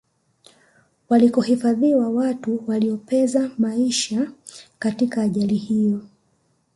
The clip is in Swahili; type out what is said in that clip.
walikohifadhiwa watu waliopeza maisha katika ajali hiyo